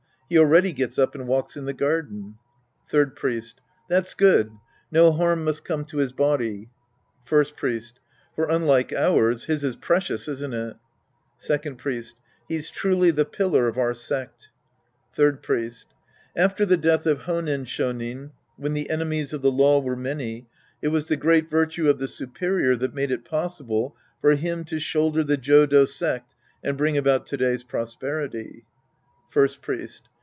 He already gets up and walks in the garden, , Third Priest. That's good. No harm must come to liis body. First Priest. For unlike ours, his is precious, isn't it? Second Priest. He's truly the pillar of our sect. Third Priest. After the death of Honen Shonin, when the enemies of the law were many, it was the great virtue of the superior that made it possible for him to shoulder the Jodo sect and bring about to day's prosperity. First F^iest.